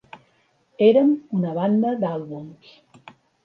Érem una banda d'àlbums.